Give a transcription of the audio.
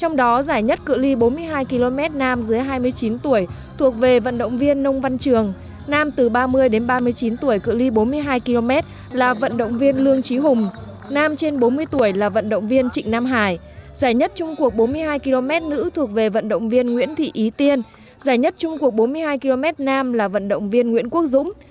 giải nhất chung cuộc bốn mươi hai km nữ thuộc về vận động viên nguyễn thị ý tiên giải nhất chung cuộc bốn mươi hai km nam là vận động viên nguyễn quốc dũng